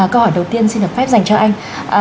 câu hỏi đầu tiên xin được phép dành cho anh